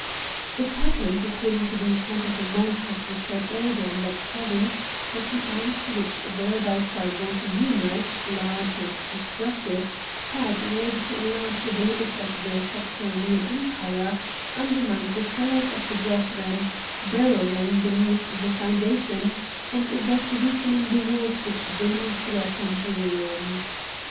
" It happened, according to the account of a monk of the said order in that province, that the ants, which thereabouts are both numerous, large, and destructive, had, in order to enlarge the limits of their subterranean empire, undermined the cellars of the Brethren, burrowing beneath the foundations, and thus weakening the walls which daily threatened ruin.